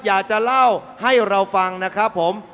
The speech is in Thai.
อยากจะเล่าให้เราฟังนะครับผม